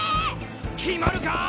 決まるか！？